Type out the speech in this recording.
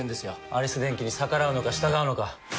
アレス電気に逆らうのか従うのか。